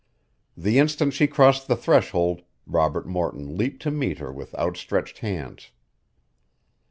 The instant she crossed the threshold, Robert Morton leaped to meet her with outstretched hands.